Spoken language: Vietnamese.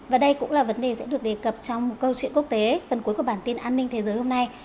và đây cũng là vấn đề sẽ được đề cập trong một câu chuyện quốc tế phần cuối của bản tin an ninh thế giới hôm nay